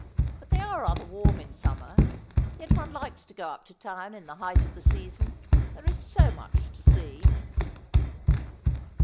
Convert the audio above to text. ' But they are rather warm in summer. Yet one likes to go up to town in the height of the season. There is so much to see.'